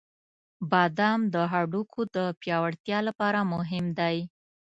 • بادام د هډوکو د پیاوړتیا لپاره مهم دی.